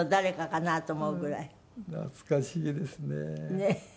ねえ。